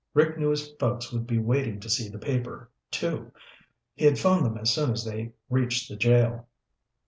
Rick knew his folks would be waiting to see the paper, too. He had phoned them as soon as they reached the jail.